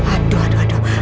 aduh aduh aduh